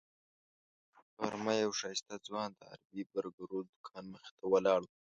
غرمه یو ښایسته ځوان د عربي برګرو د دوکان مخې ته ولاړ و.